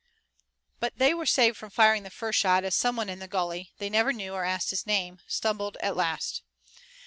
But they were saved from firing the first shot as some one in the gully they never knew or asked his name stumbled at last.